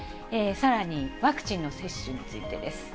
さらに、ワクチンの接種についてです。